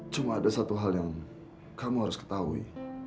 cuma ada satu hal yang kamu harus ketahui